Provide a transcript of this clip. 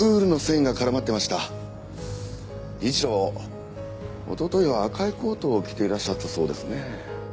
理事長おとといは赤いコートを着ていらっしゃったそうですね。